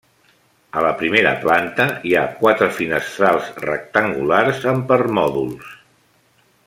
A la primera planta hi ha quatre finestrals rectangulars amb permòdols.